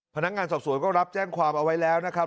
พนักงานสอบสวนก็รับแจ้งความเอาไว้แล้วนะครับ